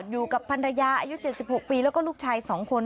อยู่กับภรรยาอายุ๗๖ปีแล้วก็ลูกชาย๒คน